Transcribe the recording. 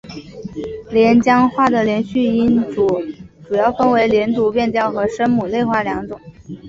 连江话的连读音变主要分为连读变调和声母类化两种。